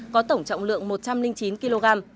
có tổng trọng lượng một trăm linh chín kg